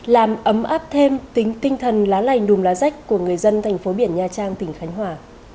làm ấm áp thêm tính tinh thần lá lành đùm lá rách của người dân thành phố biển nha trang tỉnh khánh hòa